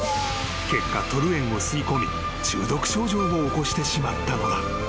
［結果トルエンを吸い込み中毒症状を起こしてしまったのだ］